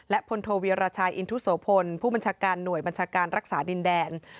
พลโทเวียรชายอินทุโสพลผู้บัญชาการหน่วยบัญชาการรักษาดินแดน